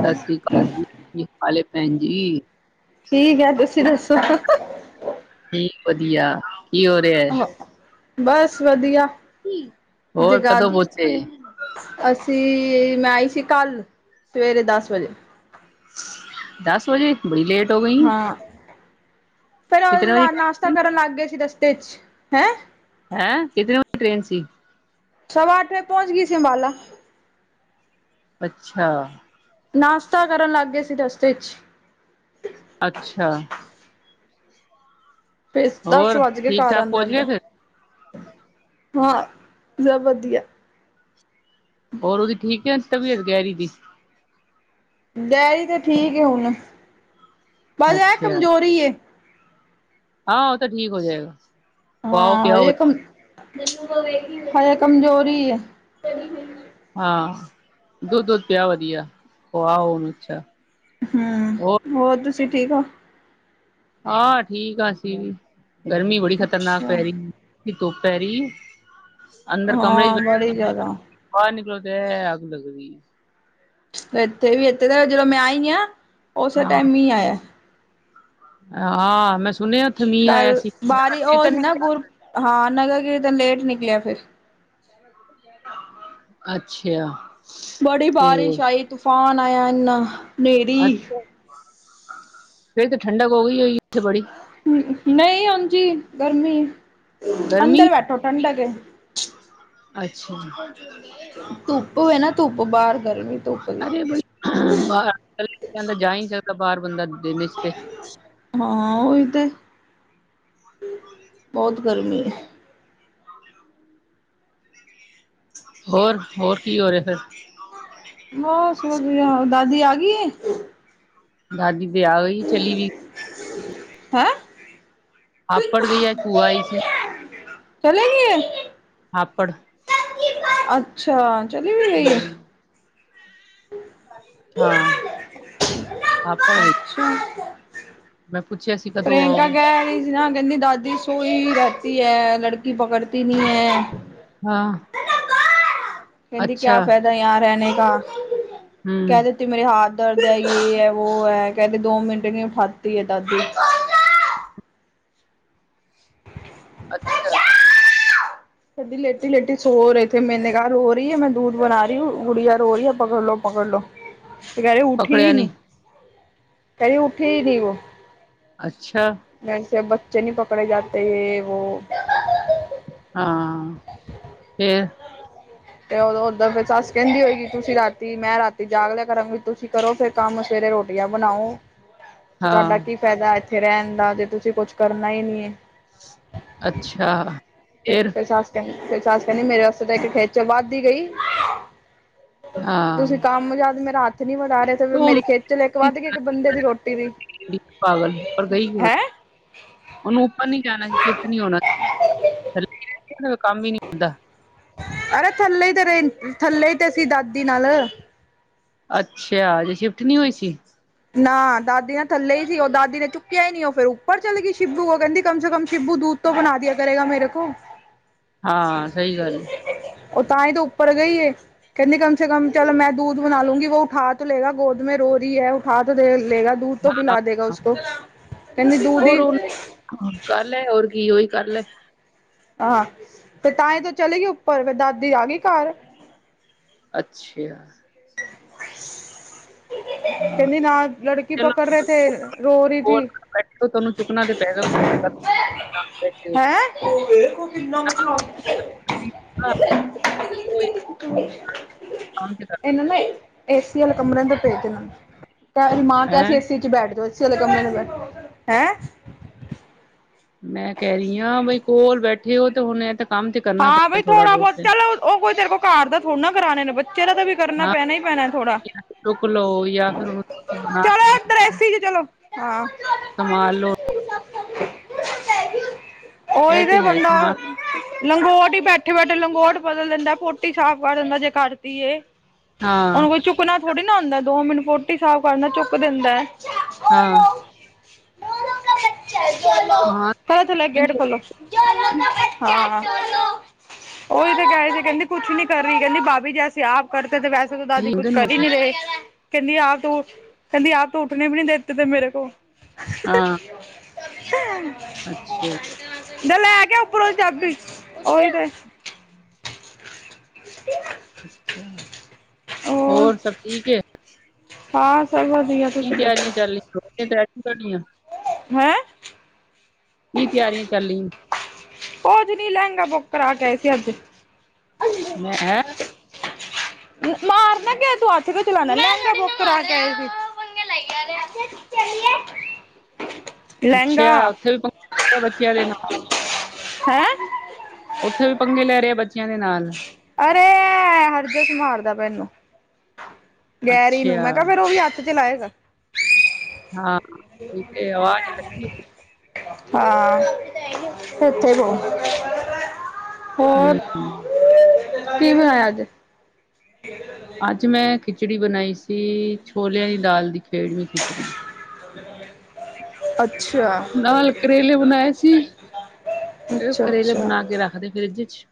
ਸਤਿ ਸ੍ਰੀ ਅਕਾਲ ਜੀ ਕੀ ਹਾਲ ਭੈਣ ਜੀ। ਠੀਕ ਹੈ ਤੁਸੀਂ ਦੱਸੋ? ਠੀਕ ਵਧੀਆ। ਕੀ ਹੋ ਰਿਹਾ? ਬਸ ਵਧੀਆ। ਹੋਰ ਜਗਾ ਕਦੋਂ ਪੁੱਚੇ। ਅਸੀਂ, ਮੈਂ ਆਈ ਸੀ ਕੱਲ, ਸਵੇਰੇ ਦਸ ਵਜੇ। ਦਸ ਵਜੇ ਬੜੀ ਲੇਟ। ਹੋ ਗਈ ਹਾਂ। ਫੇਰ ਕਿਤਨੇ ਵਜੇ ਉਹ ਨਾਸ਼ਤਾ ਟ੍ਰੇਨ ਸੀ ਕਰਨ ਲੱਗ ਗਏ ਸੀ ਰਸਤੇ ਚ' ਹੈਂ। ਹੈਂ। ਕਿਦੇ ਟ੍ਰੇਨ ਸੀ। ਸਵਾ ਅੱਠ ਵਜੇ ਪਹੁੰਚ ਗਈ ਸਿ ਅਬਾਲਾ। ਅੱਛਾ। ਨਾਸਤਾ ਕਰਨ ਲਾੱਗ ਗੇ ਸੀ ਰਸਤੇ ਇਚ। ਅੱਛਾ। ਤੇ ਦਾੱਸ ਹੋਰ ਵਾੱਜਗੇ ਠੀਕ ਘਾਰ ਠਾਕ ਪਹੁੰਚ ਆਂਦੇ-ਆਂਦੇ ਗਏ ਫਿਰ ਹਾਂ, ਜਬ ਵਦੀਆ। ਹੋਰ, ਉਦੀ ਠੀਕ ਏ ਤਬੀਅਤ, ਗੈਰੀ ਦੀ? ਗੈਰੀ ਤੇ ਠੀਕ ਏ ਹੁਨ, ਬਾੱਸ ਐ ਅੱਛਾ ਕਮਜੋਰੀ ਏ। ਹਾਂ, ਓ ਤੇ ਠੀਕ ਹੋ ਜੇਗਾ। ਹਾਂ, ਹਜੇ ਕੰਮ, ਹਜੇ ਕੰਮਜੋਰੀ ਏ। ਹਾਂ, ਦੁੱਧ-ਦੁੱਧ ਪੇਆ ਵਦੀਆ, ਖੁਆ ਓਨ ਅੱਛਾ। ਹੂੰ, ਹੋਰ ਤੂਸੀ ਠੀਕ ਓ? ਹਾਂ, ਠੀਕ ਆਂ ਅਸੀ ਵੀ, ਗਰਮੀ ਬੜੀ ਖ਼ਤਰਨਾਕ ਅੱਛਾ ਪੈ ਰੀ ਈ ਧੁੱਪ ਪੈਰੀ, ਅੰਦਰ ਕਮਰੇ ਚ ਹਾਂ ਬੜੀ ਬਏ [unintelligible] ਜ਼ਿਆਦਾ ਬਾਰ ਨਿਕਲੋ ਤੇ ਏ ਆੱਗ ਲੱਗਦੀ। ਏੱਥੇ ਵੀ, ਏਥੇ ਤਾ ਜਦੋਂ ਮੈਂ ਆਈ ਆਂ, ਓਸੇ ਟਾਈਮ ਮੀਹ ਆਏਐ। ਹਾ, ਮੈਂ ਸੁਨੇਆ ਕੱਲ ਬਾਰੀ ਓ ਸੀ ਨਾ ਗੁਰ, ਹਾਂ, ਨਗਰ ਕੀਰਤਨ ਲੇਟ ਨਿਕਲੇਆ ਫੇਰ। ਅੱਛਾ। ਬੜੀ ਤੇ ਬਾਰਿਸ਼ ਆਈ, ਤੂਫਾਨ ਆਏਆ ਇੱਨਾ। ਅੱਛਾ, ਫੇਰ ਤੇ ਠੰਡਕ ਹੋ ਗਈ ਹੋਈ ਉਥੇ ਬੜੀ? ਨਈ ਉਂਜ ਈ ਗਰਮੀ, ਗਰਮੀ ਅੰਦਰ ਬੈਠੋ ਠੰਡਕ ਏ। ਅੱਛਾ। ਧੁੱਪ ਵੇ ਨਾ, ਧੁੱਪ ਬਾਰ, ਗਰਮੀ ਧੁੱਪ ਦੀ। ਬਾਰ ਗੱਲੀ ਚ ਬੰਦਾ ਜਾ ਈ ਨੀ ਸਕਦਾ, ਬਾਰ ਬੰਦਾ ਦਿਨ ਇਚ ਤੇ। ਹਾਂ, ਓਈ ਤੇ, ਬੋਤ ਗਰਮੀ ਏ। ਹੋਰ, ਹੋਰ ਕੀ ਹੋ ਰੇਐ ਫੇਰ? ਬਾੱਸ ਵਦੀਆ, ਦਾਦੀ ਆ ਗਈ ਏ? ਦਾਦੀ ਬੀ ਆ ਗਈ, ਚਲੀ ਵੀ ਹੈਂ? ਹਾਪੜ ਗਈ ਐ, ਭੂਆ ਆਈ ਸੀ। ਚੱਲੀ ਗੀ ਏ? ਹਾਪੜ ਅੱਛਾ, ਚਲੀ ਵੀ ਗਈ ਏ? ਹਾਂ, ਹਾਪੜ ਗਈ। [inaudible] ਮੈਂ ਪੁੱਛੇਆ ਸੀ ਕਦੋਂ ਪ੍ਰਿਐਂਕਾ ਆਓਗੇ ਕੈਰੀ ਸੀ ਨਾ, ਕੈਂਦੀ ਦਾਦੀ ਸੋਈ ਰਹਤੀ ਹੈ, ਲੜ ਕੀ ਪਕੜਤੀ ਨੀ ਐ ਹਾਂ ਕੈਂਦੀ ਕੇਆ ਅੱਛਾ ਫੈਦਾ ਯ੍ਹਾਂ ਰੈਣੇ ਕਾ, ਹੂੰ ਕੈ ਦੇਤ [inaudible] [inaudible] ਅੱਛਾ। [inaudible] ਪਕੜਿਆ ਨੀ [inaudible] ਅੱਛਾ। [inaudible] ਹਾਂ ਫੇਰ ਤੇ ਓਦਾਂ ਫੇਰ ਸੱਸ ਕਹਿੰਦੀ ਹੋਏਗੀ ਤੁਸੀਂ ਰਾਤੀ ਮੈਂ ਰਾਤੀ ਜਾਗ ਲਿਆ ਕਰਾਂਗੀ ਤੁਸੀਂ ਕਰੋ ਫੇਰ ਕੰਮ ਸਵੇਰੇ ਰੋਟੀਆਂ ਬਣਾਓ [inaudible] ਤੁਹਾਡਾ ਕੀ ਫਾਇਦਾ ਇੱਥੇ ਰਹਿਣ ਦਾ ਜੇ ਤੁਸੀਂ ਕੁਛ ਕਰਨਾ ਹੀ ਨਹੀਂ ਹੈ। ਅੱਛਾ। ਫੇਰ ਸਸ ਕਹੰਦੀ ਫੇਰ ਸੀਸ ਕਹੰਦੀ ਮੇਰੇ ਵਾਸਤੇ ਤਾ ਖੇਚਲ ਵੱਧ ਹੀ ਗਈ। ਹਾਂ। ਤੁਸੀਂ ਕੰਮ ਜਦ ਮੇਰਾ ਹੱਥ ਨਹੀਂ ਵੱਡਾ ਰੇ ਤੇ ਮੇਰੀ ਖੇਚਲ ਇੱਕ ਵੱਧ ਗੀ ਇੱਕ ਬੰਦੇ ਦੀ ਰੋਟੀ ਦੀ ਪਾਗਲ ਉੱਪਰ ਗਈ ਕਿਵੇਂ ਹੈਂ ਉਹਨੂੰ ਉੱਪਰ ਨੀ ਜਾਣਾ ਸੀ ਸ਼ਿਫਟ ਨੀ ਹੋਣਾ ਸੀ ਕੋ ਕੰਮ ਹੀ ਨੀ ਹੁੰਦਾ ਅਰੇ ਥੱਲੇ ਤੇ ਰ ਥੱਲੇ ਤੇ ਸੀ ਦਾਦੀ ਨਾਲ ਅੱਛਾ ਹਜੇ ਸ਼ਿਫਟ ਨਹੀਂ ਹੋਈ ਸੀ ਨਾ ਦਾਦੀ ਨਾ ਥੱਲੇ ਹੀ ਸੀ ਉਹ ਦਾਦੀ ਨੇ ਚੁੱਕਿਆ ਹੀ ਨਹੀਂ ਉਹ ਫੇਰ ਉੱਪਰ ਚਲੇ ਗਈ ਸ਼ਿਬੂ ਉਹ ਕਹਿੰਦੀ ਕਮ ਸੇ ਕਮ ਸ਼ਿਬੂ ਦੂ ਤੋਂ ਬਣਾ ਦਿਆ ਕਰੇਗਾ ਮੇਰੇ ਕੋ ਹਾਂ ਸਹੀ ਗੱਲ ਹੈ। ਉਹ ਤਾਂ ਹੀ ਤਾਂ ਉੱਪਰ ਗਈਏ ਕਹਿੰਦੀ ਕਮ ਸੇ ਕਮ ਚਲੋ ਮੈਂ ਦੂਧ ਬਣਾ ਲੂੰਗੀ ਵੋ ਉਠਾ ਤੋਂ ਲੇਗਾ ਗੋਦ ਮੇ ਰੋ ਰਹੀ ਹੈ ਉਠਾ ਤੋ ਦੇ ਲੇਗਾ। ਦੂਧ ਤੋਂ ਪਿਲਾ ਦੇਗਾ ਉਸਕੋ ਕਹਿੰਦੀ ਦੂਧ ਹੋਰ ਹੀ ਉਹਨੇ ਕਰ ਲੈ ਹੋਰ ਕੀ ਉਹੀ ਕਰ ਲੈ। ਆਂ ਤੇ ਤਾਂਈ ਤੇ ਚਲੀ ਗਈ ਉੱਪਰ ਫੇਰ ਦਾਦੀ ਆ ਗਈ ਘਰ। ਅੱਛਾ। ਕਹਿੰਦੀ ਨਾ ਲੜਕੀ ਪਕੜ ਰਹੇ ਥੇ ਰੋ ਰਹੀ ਥੀ ਬੈਠੋ ਤੁਹਾਨੂੰ ਚੁੱਕਣਾ ਤੇ ਪੈਗਾ ਕੁਛ ਕਰਨਾ। ਬੈਠੇ ਹੋ ਹੈਂ ਉਹ ਫ ਕਿੰਨਾ [unintelligible] [unintelligible] ਤੇ ਇਹਨਾਂ ਨੇ ਏਸੀ ਵਾਲੇ ਕਮਰਿਆਂ ਤੋਂ ਭੇਜਨਾਂ ਨੂੰ ਤੇਦੀ ਮਾਂ ਕਿਹਾ ਹੈਂ ਸੀ ਏਸੀ। ਬੈਠ ਜੌ ਐਕ ਵਾਲੇ ਕਮਰੇ ਚ ਬੈਠ ਜੌ ਮੈਂ ਕਹਿ ਰਹੀ ਹਾਂ ਬਈ ਕੋਲ ਬੈਠੇ ਹੋ ਤੇ ਹੁਣ ਇਹ ਤਾਂ ਕੰਮ ਤੇ ਕਰਨਾ ਹਾਂ ਪੈਣਾ ਬਈ ਥੋੜਾ ਬਹੁਤ। ਚੱਲ ਉਹ ਕੋਈ ਤੇਰੇ ਕੋਲ ਘਰ ਦਾ ਥੋੜਾ ਨਾ ਕਰਉਣੇ ਨੇ ਬੱਚੇ ਦਾ ਤਾਂ ਵੀ। ਕਰਨਾ ਹਾਂ ਪੈਣਾ ਹੀ ਪੈਣਾ ਥੋੜਾ ਚੁੱਕ ਲਓ ਜਾਂ ਫਿਰ ਉਹਨੂੰ ਬਣਾ ਚਲੋ ਕੇ ਏਧਰ ਏਸੀ ਚ ਚਲੋ। ਹਾਂ। ਸੰਭਾਲ ਲਓ ਉਹੀ ਇਹ ਤੇ ਹੈ ਬੰਦਾ। ਸਮਾਨ ਲੰਗੋਟ ਹੀ ਬੈਠੇ ਬੈਠੇ ਲੰਗੋਟ ਬਦਲ ਦਿੰਦਾ ਪੋਟੀ ਸਾਫ਼ ਕਰ ਦਿੰਦਾ ਜੇ ਕਰਤੀਏ। ਹਾਂ ਹੁਣ ਕੋਈ ਚੁੱਕਣਾ ਥੋੜੀ ਨਾ ਹੁੰਦਾ ਦੋ ਮਿੰਟ ਫੋਟੀ ਸਾਫ਼ ਕਰਨਾ ਚੁੱਕ ਦਿੰਦਾ ਹੈ। ਹਾਂ। ਹਾਂ ਹਾ ਥਲੇ ਗੇਟ ਖੋੱਲੋ। ਹਾਂ। ਉਹੀ ਤੇ ਕਹਿਹੇ ਸੀ ਕਹਿੰਦੀ ਕੁਛ ਨੀ ਕਰ ਰਹੀ ਕਹਿੰਦੀ ਬਾਬੀ ਜੇਸੀਂ ਆਪ ਕਰਤੇ ਤੇ ਵੈਸੇ। ਦਾਦੀ ਇਹੀ ਹੁੰਦੇ ਕੁਛ ਨੇ ਹੋਰ ਕਰ ਹੀ ਕੀ। ਨਹੀਂੀ ਰਹੇ। ਕਹਿੰਦੀ ਆਪ ਤ ਕਹਿੰਦੀ ਆਪ ਤ ਉੱਠਣੇ ਵੀ ਨੀ ਦੇਤੇਤੇ ਮੇਰੇ ਕੋਲ। ਹਾਂ [unintelligible] ਅੱਛਾ। ਜਾ ਲ਼ੈ ਕੇ ਆ ਉੱਪਰੋਂ ਦੀ ਚਾਬੀ ਉਹੀ ਤੇ। [unintelligible] ਹੋਰ ਸਭ ਠੀਕ ਐ? ਹਾਂ, ਸਭ ਵਧੀਆ। ਕੀ ਤੁਸੀਂ ਤਿਆਰੀਆਂ ਦੱਸੋ ਚੱਲ ਰਹੀਆਂ, [inaudible] ਤੁਹਾਡੀਆਂ? ਹੈਂ! ਕੀ ਤਿਆਰੀਆਂ ਚੱਲੀ ਕੁਝ ਨੀ ਲਹਿੰਗਾ ਬੁੱਕ ਕਰਾ ਕੇ ਆਏ ਸੀ ਅੱਜ। ਮੈਂ ਐ ਮਾਰਨਾ ਕਿਓਂ ਏ, ਤੂੰ ਹੱਥ ਕਿਉਂ ਚਲਾਣਾ, ਮੈਂ ਲਹਿੰਗਾ ਬੁੱਕ ਕਰਾ ਕੇ ਆਈ ਸੀ। [unintelligible] ਲਹਿੰਗਾ ਅੱਛਾ, ਉੱਥੇ ਵੀ [inaudible] ਬੱਚਿਆਂ ਦੇ ਨਾਲ। ਹੈਂ ਉੱਥੇ ਵੀ ਪੰਗੇ ਲੈ ਰਹਾ ਬੱਚਿਆਂ ਦੇ ਨਾਲ। ਅਰੇ ਐ ਹਰਜਸ਼ ਮਾਰਦਾ ਪਿਆ ਏਨੂੰ। ਗੈਰੀ ਨੂੰ, ਅੱਛਾ ਮੈਂ ਕੇਆ ਫੇਰ ਉਹ ਵੀ ਹੱਥ ਚ ਚਲਾਏਗਾ। ਹਾਂ, ਠੀਕ ਐ, ਅਵਾਜ਼ ਆ ਰਹੀ ਐ। ਹਾਂ ਇਥੇ [inaudible] ਹੋਰ, ਹੈ ਕੀ ਬਣਾਇਆ ਅੱਜ? ਅੱਜ ਮੈਂ ਖਿਚੜੀ ਬਣਾਈ ਸੀ, ਛੋਲਿਆਂ ਦੀ ਦਾਲ ਦੀ ਖੇਡਵੀ ਖਿਚੜੀ। [unintelligible] ਅੱਛਾ। ਨਾਲ ਕਰੇਲੇ ਬਣਾਏ ਸੀ, ਫੇਰ ਅੱਛਾ, ਕਰੇਲੇ ਅੱਛਾ, ਬਣਾ ਕੇ ਰੱਖ ਤੇ ਫਰਿੱਜ ਚ।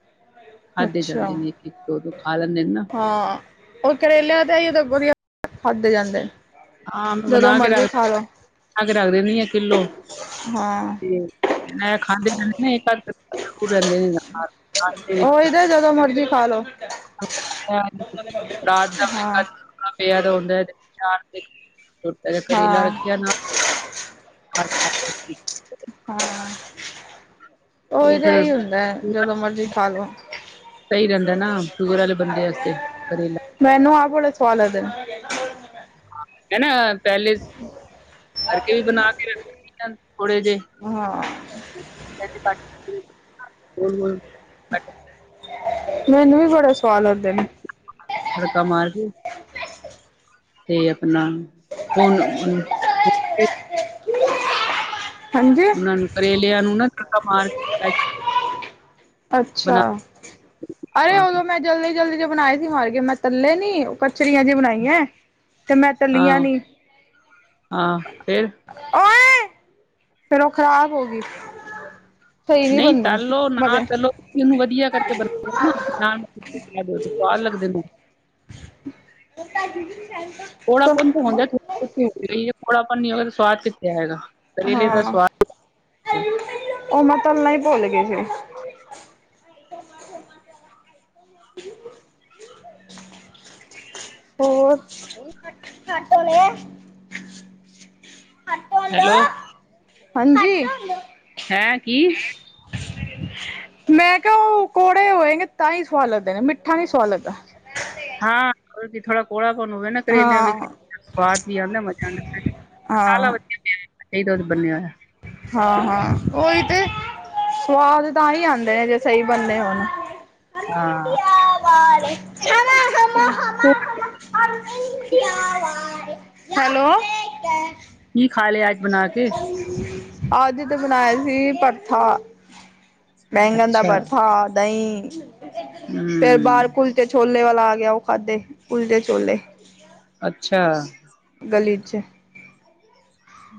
ਖਾਧੇ ਜਾਂਦੇ ਅੱਛਾ। ਨੇ, ਇੱਕ-ਇੱਕ, ਦੋ-ਦੋ ਖਾ ਲੈਂਦੇ ਨੇ ਨਾ। ਹਾਂ। ਓ ਕਰੇਲਿਆਂ ਦੇ [inaudible] ਵਧੀਆ ਖਾਧੇ ਜਾਂਦੇ। ਹਾਂ, ਮੈਂ ਜਦੋਂ ਬਣਾ ਕੇ ਮਰਜ਼ੀ ਰੱਖ ਖਾ ਲੋ ਬਣਾ ਕੇ ਰੱਖ ਦਿੰਨੀ ਆ ਕਿੱਲੋ, ਹਾਂ ਤੇ ਮੈਂ ਖਾਂਦੇ ਪੀਂਦੇ ਨੇ [inaudible] ਰਹਿੰਦੇ ਨੇ ਨਾਲ। ਨਾਸ਼ਤੇ ਵਿੱਚ ਓਹੀ ਤੇ ਜਦੋਂ ਮਰਜ਼ੀ ਖਾ ਲੋੋ। [unintelligible] ਹਾਂ, ਪਿਆ ਤਾਂ ਹੁੰਦਾ ਤੇ ਤਿੰਨ ਚਾਰ [inaudible] ਛੋਟਾ ਜਿਹਾ ਕਰੇਲਾ ਹਾਂ, ਰੱਖਿਆ ਨਾਲ। [unintelligible] ਹਾਂ, ਉਹੀ ਉਹ ਤੇ ਐ ਹੀ ਹੁੰਦਾ, ਫਿਰ ਜਦੋਂ ਮਰਜ਼ੀ ਖਾਲੋ। ਸਹੀ ਰਹਿੰਦਾ ਨਾ, ਸ਼ੂਗਰ ਵਾਲੇ ਬੰਦੇ ਵਾਸਤੇ ਕਰੇਲਾ। ਮੈਨੂੰ ਆਪ ਬੜੇ ਸਵਾਦ ਲਗਦੇ ਨੇ। ਏ ਨਾ ਪਹਿਲੇ ਭਰਕੇ ਵੀ ਬਣਾ ਕੇ ਰੱਖ ਸਕਦੇ ਆ ਥੋੜੇ ਜਿਹੇ। ਹਾਂ। [unintelligible] ਮੈਨੂੰ ਵੀ ਬੜੇ ਸਵਾਦ ਲਗਦੇ ਨੇ। ਤੜਕਾ ਮਾਰ ਕੇ। ਤੇ ਆਪਣਾ ਹੁਣ ਉ ਹਾਂਜੀ ਉਹਨਾਂ ਨੂੰ ਕਰੇਲਿਆਂ ਨੂੰ ਨਾ ਤੜਕਾ ਮਾਰਕੇ [inaudible] ਅੱਛਾ, ਅਰੇ ਪਾ ਕੇ ਉਦੋਂ ਮੈਂ ਜਲਦੀ ਜਲਦੀ ਚ ਬਣਾਏ ਸੀ ਮਰ ਗਏ, ਮੈਂ ਤਲੇ ਨੀ ਉਹ ਕਚਰੀਆਂ ਜੀ ਬਣਾਈਆ ਤੇ ਮੈਂ ਤੱਲੀਆਂ ਹਾਂ ਨੀ। ਹਾਂ, ਫਿਰ? ਓਏ, ਫੇਰ ਉਹ ਖ਼ਰਾਬ ਹੋ ਗਈ। ਸਹੀ ਨੀ ਨਹੀਂ ਬਣਨੀ ਤਲੋ ਨਾ ਮਗਰ ਤਲੋ ਇਹਨੂੰ ਵਧੀਆ ਕਰਕੇ ਬਣਾਓ ਨਾ ਨਾਲ ਭਿੰਡੀਆਂ ਦਿੳ ਤਾਂ ਸਵਾਦ ਲੱਗਦੇ ਨੇ ਮੋਟਾ ਜੀ ਦੀ ਸ [unintelligible] ਕੌੜਾਪਨ ਤਾਂ ਹੁੰਦਾ [unintelligible] ਕੌੜਾਪਨ ਨੀ ਹੋਏਗਾ ਤਾਂ ਸਵਾਦ ਕਿੱਥੋ ਆਏਗਾ ਕਰੇਲੇ ਦਾ ਹਾਂ ਸਵਾਦ ਓ ਮੈਂ ਤੱਲਨਾ ਹੀ ਭੁੱਲ ਗਈ ਸੀ ਹੋਰ ਹੈਲੋ ਹਾਂਜੀ ਹੈਂ ਕੀ ਮੈਂ ਕਿਹਾ ਉਹ ਕੌੜੇ ਹੋੰਏਗੇ ਤਾਂ ਹੀ ਸਵਾਦ ਲੱਗਦੇ ਨੇ ਮਿੱਠਾ ਨੀ ਸਵਾਦ ਲੱਗਦਾ ਹਾਂ ਉਹਦੇ 'ਚ ਥੋੜਾ ਕੋੜਾ ਪਣ ਹੋਵੇ ਨਾ ਕਰੇਲਿਆਂ ਵਿੱਚ, ਹਾਂ ਸਵਾਦ ਵੀ ਆਂਦਾ ਮਜਾ ਵੀ ਆਂਦਾ ਮਸਾਲਾ ਹਾਂ, ਵਧੀਆ ਪਿਆ ਚਾਈਦਾ ਦੁੱਧ ਬਣਿਆ ਹੋਇਆ ਹਾਂ ਹਾਂ ਉਈ ਤੇ ਸਵਾਦ ਤਾਂ ਹੀ ਆਉਂਦੇ ਨੇ ਜੇ ਸਹੀ ਬਣੇ ਹੋਣ ਹਾਂ [inaudible] ਹ [unintelligible] ਹੈਲੋ ਕੀ ਖਾ ਲਿਆ ਅੱਜ ਬਣਾਕੇ ਅੱਜ ਤੇ ਬਨਾਇਆ ਸੀ ਭਰਥਾ ਬੈਂਗਣ ਦਾ ਅੱਛਾ। ਭਰਥਾ, ਦਹੀਂ ਫੇਰ ਹੂੰ ਬਾਰ ਕੁਲਚੇ ਛੋਲੇ ਵਾਲਾ ਆ ਗਿਆ ਉਹ ਖਾਦੇ ਕੁਲਚੇ ਛੋਲੇ ਅੱਛਾ ਗਲੀ 'ਚ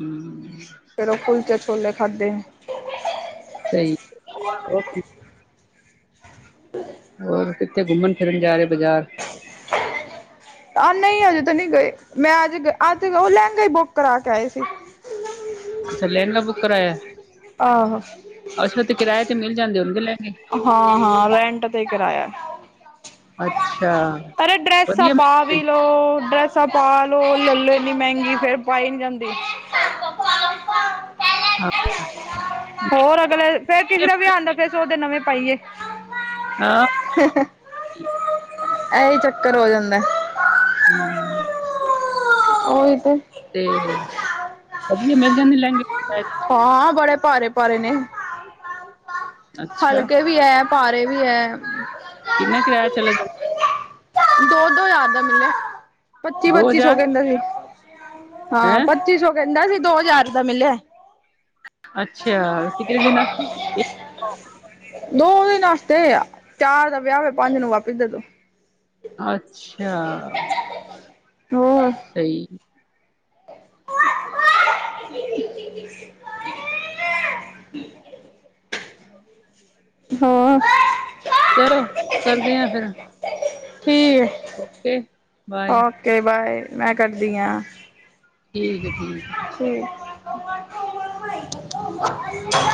ਹਮ ਹੁੰ ਫੇਰ ਉਹ ਕੁਲਚੇ ਛੋਲੇ ਖਾਦੇ ਸਹੀ [inaudible] ਹੋਰ ਕਿੱਥੇ ਘੁੰਮਨ ਫਿਰਨ ਜਾ ਰਹੇ ਬਾਜ਼ਾਰ ਆ ਨਹੀਂ ਹਜੇ ਤੇ ਨਹੀਂ ਗਏ ਮੈਂ ਅੱਜ ਅੱਜ ਉਹ ਲਹਿੰਗਾ ਹੀ ਬੁੱਕ ਕਰਾ ਕੇ ਆਏ ਸੀ ਅੱਛਾ ਲਹਿੰਗਾ ਬੁੱਕ ਕਰਾਇਆ ਆਹੋ ਅੱਛਾ ਤੇ ਕਿਰਾਏ ਤੇ ਮਿਲ ਜਾਂਦੇ ਹੋਣਗੇ ਲਹਿੰਗੇ ਹਾਂ ਹਾਂ ਰੈਂਟ ਤੇ ਕਰਾਇਆ ਅੱਛਾ ਅਰੇ ਡ੍ਰੈਸਾਂ ਵਧੀਆ ਪਾ ਮਿਲ ਵੀ ਲਓ ਡ੍ਰੈਸ ਸਪਾ ਲਓ ਲੈ ਲਓ ਇਨੀ ਮਹਿੰਗੀ ਫੇਰ ਪਾਈ ਨੀ ਜਾਂਦੀ ਹਾਂ ਹੋਰ ਅਗਲੇ ਫਿਰ ਕਿਸੇ ਵਧੀਆ ਦਾ ਵਿਆਹ ਆਂਦਾ ਫਿਰ ਸੋਚਦੇ ਨਵੇਂ ਪਾਈਏ [inaudible] ਹਾਂ ਐਂਹੀ ਚੱਕਰ ਹੋ ਜਾਂਦਾ ਹਮ ਉਹੀ ਤੇ ਤੇ ਵਧੀਆ ਮਿਲ ਜਾਂਦੇ ਲਹਿੰਗੇ ਹਾਂ ਬੜੇ ਭਾਰੇ ਭਾਰੇ ਨੇ ਤੇ ਅੱਛਾ ਹਲਕੇ ਵੀ ਐ ਭਾਰੇ ਵੀ ਹੈ ਕਿੰਨਾ ਕਿਰਾਇਆ ਚਲਾ ਜਾਂਦਾ ਦੋ ਦੋ ਹਜ਼ਾਰ ਦਾ ਮਿਲਿਆ ਪੱਚੀ ਦੋ ਪੱਚੀ ਸੌ ਹਜ਼ਾਰ ਕਹਿੰਦਾ ਸੀ ਹਾਂ ਹੈਂ ਪੱਚੀ ਸੌ ਕਹਿੰਦਾ ਸੀ ਦੋ ਹਜ਼ਾਰ ਦਾ ਮਿਲਿਆ ਅੱਛਾ ਕਿਤੇ ਦਿਨ ਦੋ ਦਿਨ ਵਾਸਤੇ ਚਾਰ ਦਾ ਵਿਆਹ ਹੋਇ ਪੰਜ ਨੂੰ ਵਾਪਸ ਦੇ ਤੋਂ ਅੱਛਾ ਹੋਰ। ਸਹੀ [unintelligible] ਹਠ ਹਾਂ ਚਲੋ ਕਰਦੇ ਆ ਫਿਰ ਠੀਕ ਆ ਓਕੇ ਬਾਏ ਕ ਬਾਏ ਮੈਂ ਕਰਦੀ ਹਾਂ ਠੀਕ ਠੀਕ ਆ ਮਹਿਤ ਹਾਂ ਕਰ